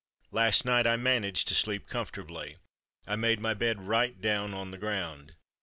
Last night I managed to sleep comfortably. I made my bed right down on the ground.